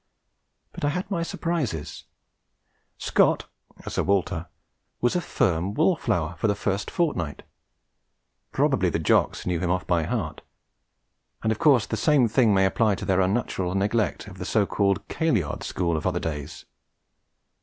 But I had my surprises. Scott (Sir Walter!) was a firm wall flower for the first fortnight; probably the Jocks knew him off by heart; and, of course, the same thing may apply to their unnatural neglect of the so called Kaleyard School of other days.